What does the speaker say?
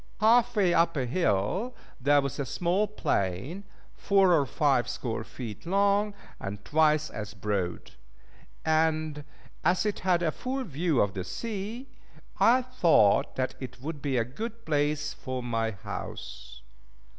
Half way up a hill there was a small plain, four or five score feet long, and twice as broad; and as it had a full view of the sea, I thought that it would be a good place for my house.